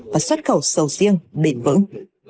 và xuất khẩu sầu riêng bền vững